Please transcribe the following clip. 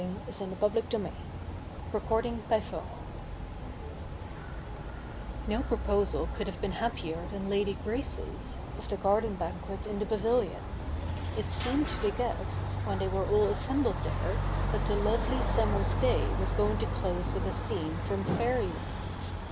il THE NEW REPUBLIC i8i BOOK IV CHAPTER I Xo proposal could have been happier than Lady Grace's, of the garden banquet in the pavilion. It seemed to the guests, when they were ail assembled there, that the lovely summer's day was going to close with a scene from fairyland.